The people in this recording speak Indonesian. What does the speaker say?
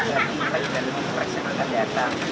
dan menggunakan kompres yang akan datang